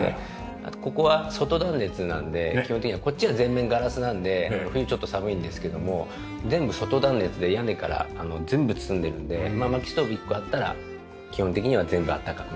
あとここは外断熱なので基本的には。こっちは全面ガラスなので冬ちょっと寒いんですけども全部外断熱で屋根から全部包んでるので薪ストーブ一個あったら基本的には全部暖かくなります。